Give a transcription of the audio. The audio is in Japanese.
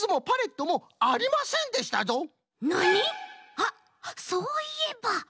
あっそういえば。